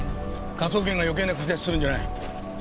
科捜研が余計な口出しするんじゃない。